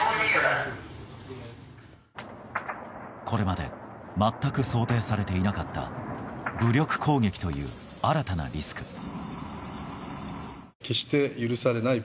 これまで全く想定されていなかった武力攻撃という新たなリスク。